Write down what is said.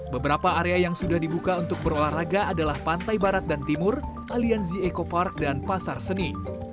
beberapa area yang sudah dibuka untuk berolahraga adalah pantai barat dan timur aliansi eco park dan pasar seni